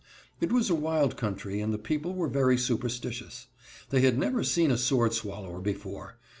It was a wild country, and the people were very superstitious. They had never seen a sword swallower before.